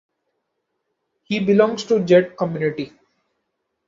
He belongs to Jat community.